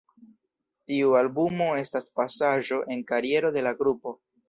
Tiu albumo estas pasaĵo en kariero de la grupo.